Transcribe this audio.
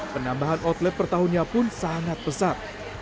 penambahan outlet per tahunnya pun sangat besar